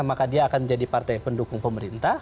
maka dia akan menjadi partai pendukung pemerintah